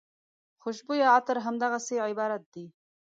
خوشبویه عطر همدغسې عبارت دی.